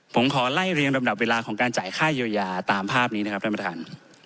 ผมขอไล่เรียงลำดับเวลาของการจ่ายค่าเยียวยาตามภาพนี้นะครับท่านประธาน